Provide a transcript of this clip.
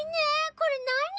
これなに？